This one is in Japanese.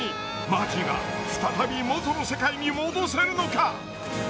マーティが再び元の世界に戻せるのか。